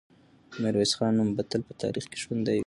د میرویس خان نوم به تل په تاریخ کې ژوندی وي.